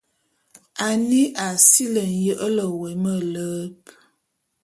Annie a sili nyele wé meleb.